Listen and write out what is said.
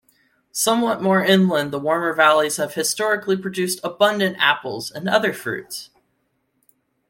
Somewhat more inland the warmer valleys have historically produced abundant apples and other fruit.